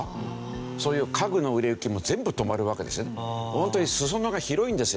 ホントに裾野が広いんですよね。